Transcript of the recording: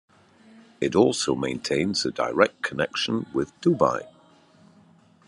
It also maintains a direct connection with Dubai.